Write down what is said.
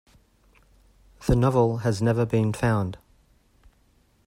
The novel has never been found.